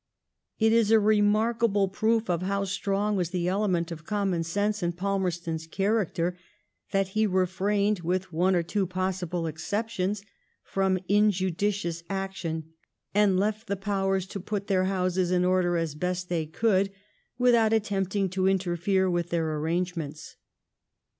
It is a remarkable proof of how strong was the element of common sense in Palmerston's character, that he refrained, with one or two possible exceptions, from injudicious action, and left tbe Powers to put their houses in order as best they could without attempting to interfere with their arrange ments.